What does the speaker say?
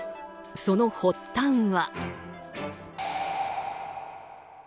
その発端は。